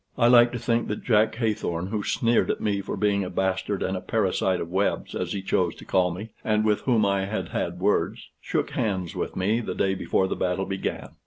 I like to think that Jack Haythorn, who sneered at me for being a bastard and a parasite of Webb's, as he chose to call me, and with whom I had had words, shook hands with me the day before the battle began.